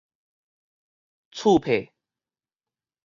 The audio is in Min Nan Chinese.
厝配